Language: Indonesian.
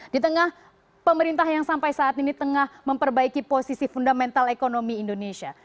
di tengah pemerintah yang sampai saat ini tengah memperbaiki posisi fundamental ekonomi indonesia